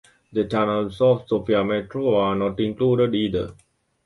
The tunnels of the Sofia Metro are not included either.